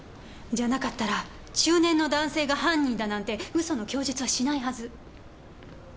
じゃなかったら中年の男性が犯人だなんて嘘の供述はしないはず。